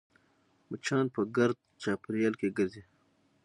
مچان په ګرد چاپېریال کې ګرځي